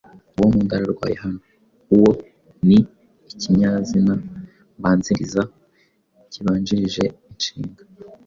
Uwô nkunda ararwaye hano “uwô” ni ikinyazina mbanziriza kibanjirije inshinga)